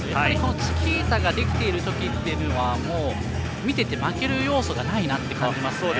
チキータができている時というのは見てて負ける要素がないなと感じますね。